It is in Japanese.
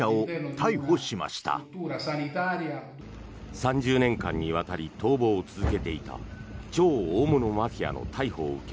３０年間にわたり逃亡を続けていた超大物マフィアの逮捕を受け